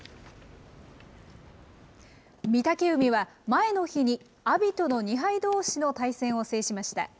御嶽海は前の日に、阿炎との２敗どうしの対戦を制しました。